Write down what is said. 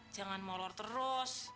jangan molor terus